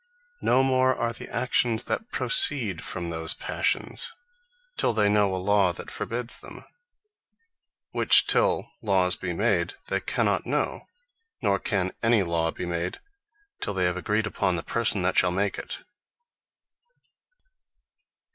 No more are the Actions, that proceed from those Passions, till they know a Law that forbids them; which till Lawes be made they cannot know: nor can any Law be made, till they have agreed upon the Person that shall make it.